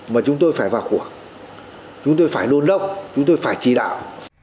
mà chúng tôi phải vào cuộc chúng tôi phải đôn đốc chúng tôi phải chỉ đạo